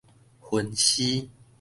分屍